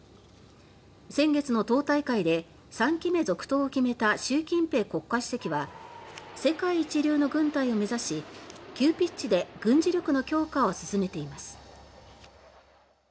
先月の党大会で３期目続投を決めた習近平国家主席は世界一流の軍隊を目指し急ピッチで軍事力の強化を進めています。